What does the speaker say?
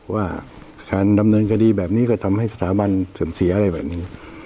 ว่าการดำเนินคดีแบบนี้ก็ทำให้สถาบันเสื่อมเสียอะไรแบบนี้